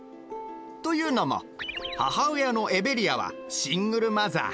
というのも母親のエベリアはシングルマザー。